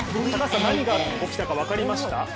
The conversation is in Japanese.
高橋さん、何が起きたか分かりました？